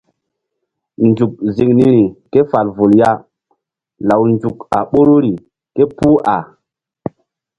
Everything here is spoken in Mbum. Nzuk ziŋ niri ke fal vul ya law nzuk a ɓoruri képuh a.